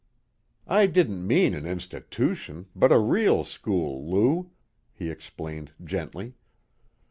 "I didn't mean an institution, but a real school, Lou," he explained gently.